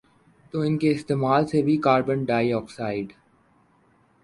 تو ان کے استعمال سے بھی کاربن ڈائی آکسائیڈ